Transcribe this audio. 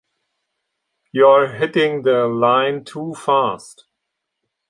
You're hitting the line too fast!